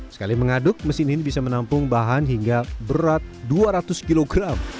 sekali mengaduk mesin ini bisa menampung bahan hingga berat dua ratus kg